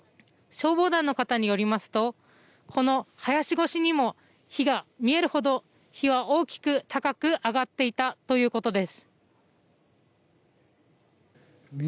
消防団のかたによりますとこの林越しにも火が見えるほど火は大きく高く上がっていたということです。